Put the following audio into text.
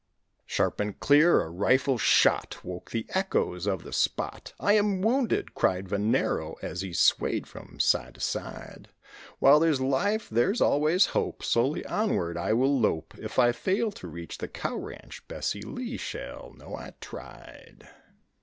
Sharp and clear a rifle shot Woke the echoes of the spot. "I am wounded," cried Venero, as he swayed from side to side; "While there's life there's always hope; Slowly onward I will lope, If I fail to reach the cow ranch, Bessie Lee shall know I tried.